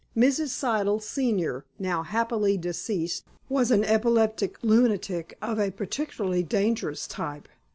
Mrs. Siddle, senior, now happily deceased, was an epileptic lunatic of a peculiarly dangerous type.